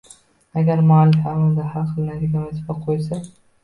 Agar muallif amalda hal qilinadigan vazifa qo’ysa